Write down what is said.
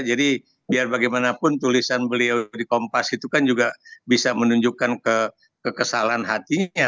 jadi biar bagaimanapun tulisan beliau di kompas itu kan juga bisa menunjukkan kekesalan hatinya